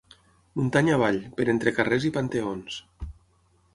Muntanya avall, per entre carrers i panteons